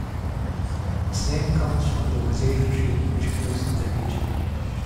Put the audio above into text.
Its name comes from the juazeiro tree which grows in the region.